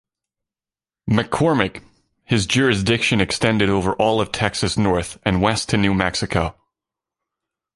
McCormick; his jurisdiction extended over all of Texas north and west to New Mexico.